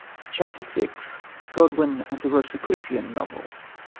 CHAPTER VI GODWIN AND THE ROSICRUCIAN NOVEL.